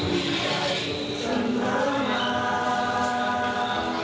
ถึงรักเธอออกเป็นอย่างนี้